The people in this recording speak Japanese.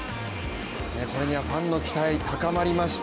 それにはファンの期待高まりました